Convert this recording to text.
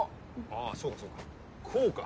あそうかそうかこうか。